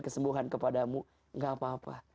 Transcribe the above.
kesembuhan kepadamu gak apa apa